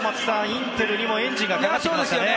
インテルにもエンジンがかかってきますかね。